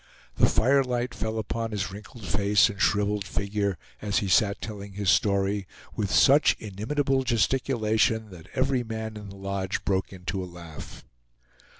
The firelight fell upon his wrinkled face and shriveled figure as he sat telling his story with such inimitable gesticulation that every man in the lodge broke into a laugh.